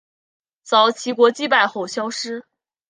遭齐国击败后消失。